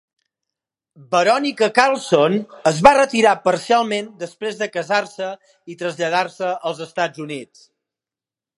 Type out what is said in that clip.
Verónica Carlson es va retirar parcialment després de casar-se i traslladar-se als Estats Units.